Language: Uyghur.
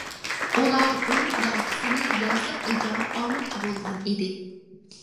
ئۇلار ئۇنىڭ داچىسىنى يازلىق ئىجارە ئالماقچى بولغان ئىدى.